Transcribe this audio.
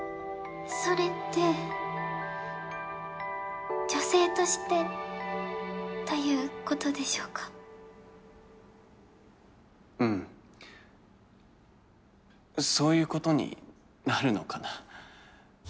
それって女性としてということでしょうかうんそういうことになるのかな